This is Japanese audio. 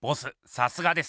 さすがです！